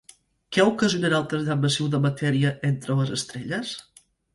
Què ocasionarà el trasllat massiu de matèria entre les estrelles?